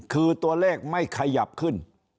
คือตัวเลขไม่ขยับขึ้น